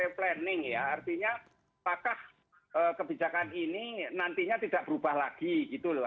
planning ya artinya apakah kebijakan ini nantinya tidak berubah lagi gitu loh